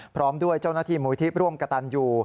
พร้อมด้วยเจ้าหน้าที่หมู่ทิพย์ร่วมกับตันยู